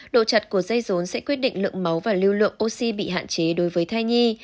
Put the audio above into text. độ chặt của dây rốn sẽ quyết định lượng máu và lưu lượng oxy bị hạn chế đối với thai nhi